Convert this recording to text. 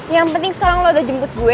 yang penting sekarang lo udah jemput gue